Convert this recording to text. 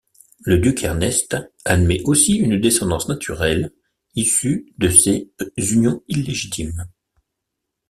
Le duc Ernest admet aussi une descendance naturelle issue de ses unions illégitimes.